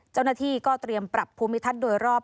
เจ้าหน้าที่ก็เตรียมปรับภูมิทัศน์โดยรอบ